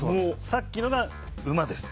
さっきのが馬です。